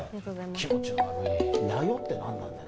気持ち悪い「やよ」って何なんだよ